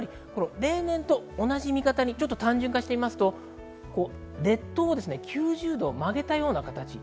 例年と同じ見方に単純化しますと列島は９０度曲げたような形。